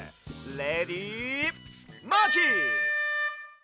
レディマーキー！